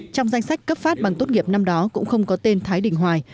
trong danh sách cấp phát bằng tốt nghiệp năm đó cũng không có tên thái đình hoài